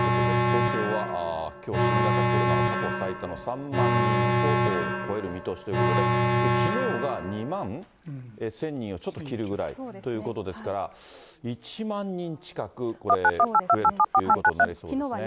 東京はきょう新型コロナは、過去最多の３万人を超える見通しということで、きのうが２万１０００人をちょっと切るぐらいということですから、１万人近く、これ、増えるということになりそうですね。